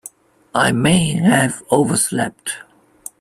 I may have overslept.